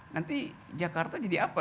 nanti jakarta jadi apa